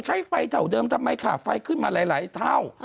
ใช้เวลาที่ดีทำไมค่าไฟขึ้นมาหลายเท่า